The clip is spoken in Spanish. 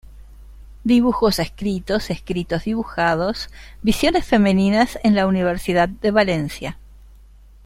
Dibujos Escritos-Escritos dibujados: Visiones Femeninas" en la Universidad de Valencia.